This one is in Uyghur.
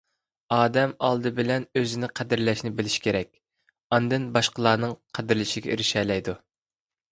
ئادەم ئالدى بىلەن ئۆزىنى قەدىرلەشنى بىلىشى كېرەك، ئاندىن باشقىلارنىڭ قەدىرلىشىگە ئېرىشەلەيدۇ.